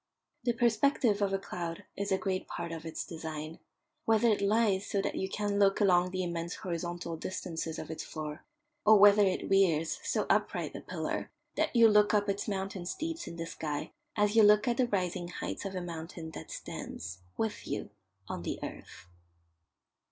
The perspective of a cloud is a great part of its design whether it lies so that you can look along the immense horizontal distances of its floor, or whether it rears so upright a pillar that you look up its mountain steeps in the sky as you look at the rising heights of a mountain that stands, with you, on the earth.